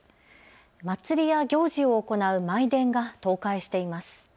祭りや行事を行う舞殿が倒壊しています。